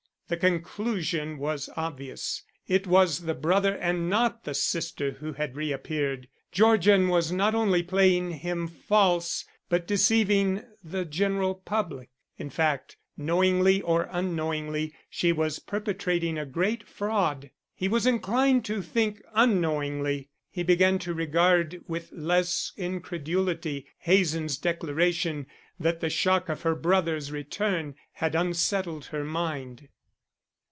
The conclusion was obvious. It was the brother and not the sister who had reappeared. Georgian was not only playing him false but deceiving the general public. In fact, knowingly or unknowingly, she was perpetrating a great fraud. He was inclined to think unknowingly. He began to regard with less incredulity Hazen's declaration that the shock of her brother's return had unsettled her mind.